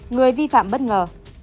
người vi phạm bất ngờ